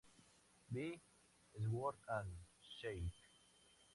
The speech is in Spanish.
By Sword And Shield.